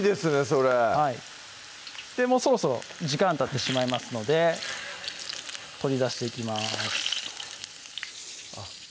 それはいもうそろそろ時間たってしまいますので取り出していきますあっ